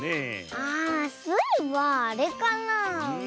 あスイはあれかなあ。